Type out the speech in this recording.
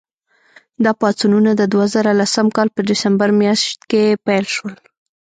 دا پاڅونونه د دوه زره لسم کال په ډسمبر میاشت کې پیل شول.